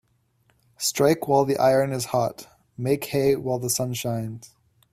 Strike while the iron is hot Make hay while the sun shines